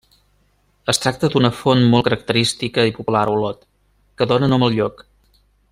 Es tracta d'una font molt característica i popular a Olot, que dóna nom al lloc.